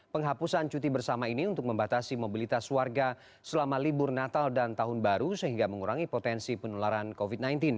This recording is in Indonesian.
penghapusan cuti bersama ini untuk membatasi mobilitas warga selama libur natal dan tahun baru sehingga mengurangi potensi penularan covid sembilan belas